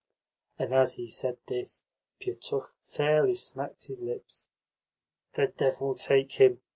And as he said this Pietukh fairly smacked his lips. "The devil take him!"